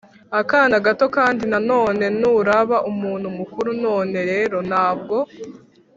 akana gato kandi nanone nturaba umuntu mukuru None rero ntabwo